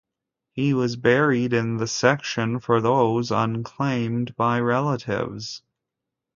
He was buried in the in the section for those unclaimed by relatives.